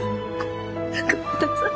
ごめんなさい。